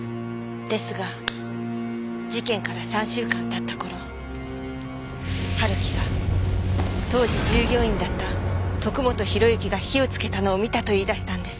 ですが事件から３週間経った頃春樹が当時従業員だった徳本弘之が火をつけたのを見たと言い出したんです。